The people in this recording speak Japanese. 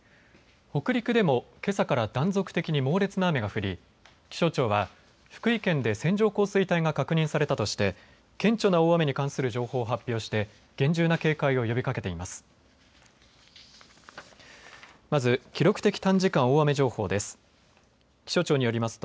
北陸でもけさから断続的に猛烈な雨が降り、気象庁は福井県で線状降水帯が確認されたとして顕著な大雨に関する情報を発表して厳重な警戒を呼びかけています。